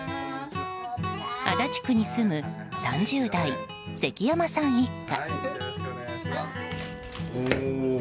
足立区に住む３０代、関山さん一家。